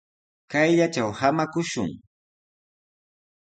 Kayllatraw samakushun.